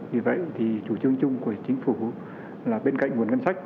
vì vậy thì chủ trương chung của chính phủ là bên cạnh nguồn ngân sách